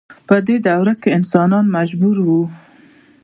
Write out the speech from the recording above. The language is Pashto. په دې دوره کې انسانان مجبور وو.